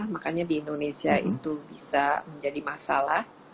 makanya di indonesia itu bisa menjadi masalah